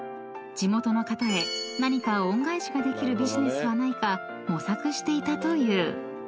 ［地元の方へ何か恩返しができるビジネスはないか模索していたという］